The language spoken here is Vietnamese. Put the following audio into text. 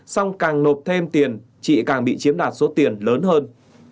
xong càng nộp thêm tiền chị càng bị chiếm đoạt số tiền lớn hơn